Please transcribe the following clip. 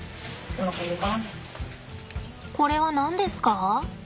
これは何ですか？